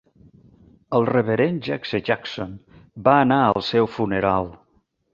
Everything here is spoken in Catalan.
El reverend Jesse Jackson va anar al seu funeral.